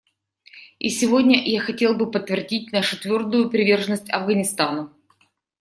И сегодня я хотел бы подтвердить нашу твердую приверженность Афганистану.